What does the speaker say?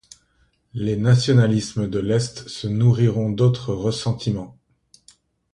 Les nationalismes de l’Est se nourriront d’autres ressentiments.